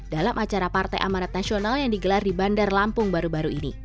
dalam acara partai amanat nasional yang digelar di bandar lampung baru baru ini